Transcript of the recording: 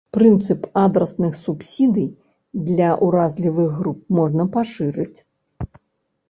Прынцып адрасных субсідый для уразлівых груп можна пашырыць.